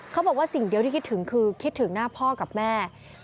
เขาบอกว่าสิ่งเดียวที่คิดถึงคือคิดถึงหน้าพ่อกับแม่